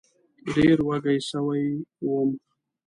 ډېره وږې سوې وم